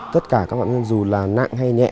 tất cả các bệnh nhân dù là nặng hay nhẹ